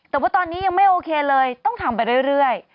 แต่ว่าตอนนี้ยังไม่โอเคเลยต้องทำไปเรื่อย